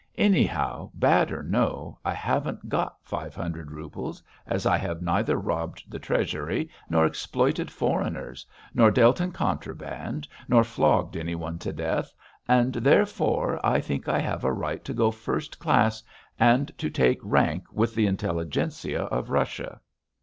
Anyhow, bad or no, I haven't got five hundred roubles as I have neither robbed the treasury nor exploited foreigners, nor dealt in contraband, nor flogged any one to death, and, therefore, I think I have a right to go first class and to take rank with the intelligentsia of Russia.'